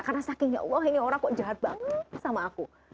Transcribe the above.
karena sakingnya wah ini orang kok jahat banget sama aku